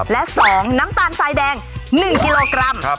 และ๒น้ำตาลทรายแดง๑กิโลกรัม